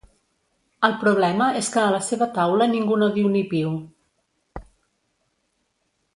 El problema és que a la seva taula ningú no diu ni piu.